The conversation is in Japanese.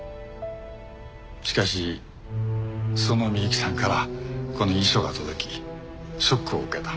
しかしその美雪さんからこの遺書が届きショックを受けた。